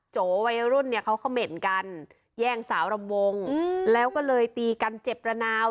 โจวัยรุ่นเนี่ยเขาเขม่นกันแย่งสาวรำวงแล้วก็เลยตีกันเจ็บระนาว